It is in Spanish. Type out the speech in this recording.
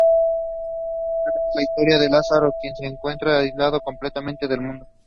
Narra la historia de Lázaro, quien está secuestrado y aislado completamente del mundo.